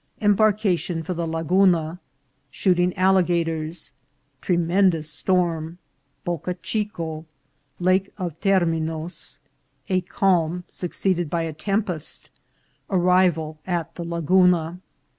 — Embarcation for the La guna. — Shooting Alligators. — Tremendous Storm. — Boca Chico. — Lake of Terminos. — A Calm, succeeded by a Tempest — Arrival at the Laguna.